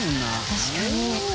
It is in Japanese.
確かに。